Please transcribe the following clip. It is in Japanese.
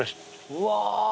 うわ。